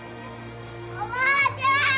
おばあちゃん！